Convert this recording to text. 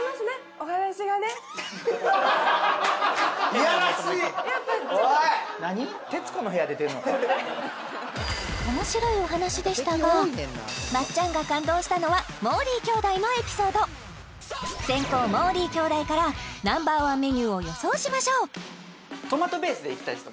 おもしろいお話でしたがまっちゃんが感動したのはもーりー兄弟のエピソード先攻もーりー兄弟からＮｏ．１メニューを予想しましょうでいきたいです